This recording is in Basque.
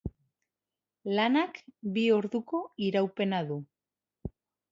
Lanak bi orduko iraupena du.